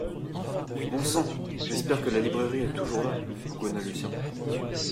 Bon sang, j’espère que la librairie est toujours là, bougonna Lucien.